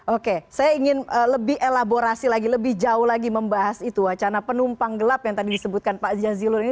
oke saya ingin lebih elaborasi lagi lebih jauh lagi membahas itu wacana penumpang gelap yang tadi disebutkan pak jazilul ini